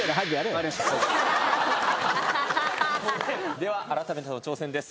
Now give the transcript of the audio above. では改めての挑戦です。